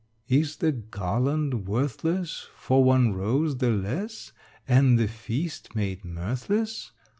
Is the garland worthless For one rose the less, And the feast made mirthless?